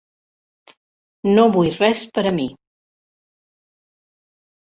No vull res per a mi.